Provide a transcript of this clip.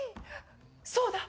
そうだ。